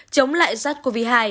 chống lại sars cov hai